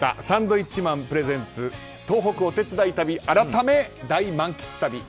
サンドウィッチマンプレゼンツ東北お手伝い旅改め大満喫旅。